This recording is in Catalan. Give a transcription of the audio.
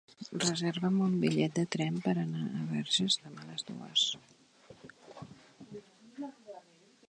Reserva'm un bitllet de tren per anar a Verges demà a les dues.